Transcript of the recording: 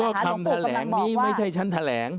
คำแถลงนี้ไม่ใช่ชั้นแถลง